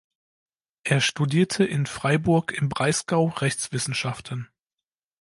Er studierte in Freiburg im Breisgau Rechtswissenschaften.